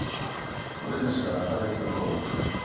売り主は竹鶴工務店。